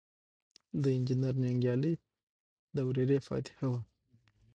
د انجنیر ننګیالي د ورېرې فاتحه وه.